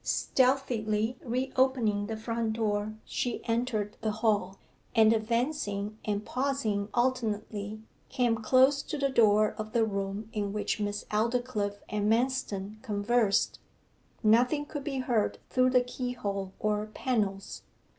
Stealthily re opening the front door she entered the hall, and advancing and pausing alternately, came close to the door of the room in which Miss Aldclyffe and Manston conversed. Nothing could be heard through the keyhole or panels.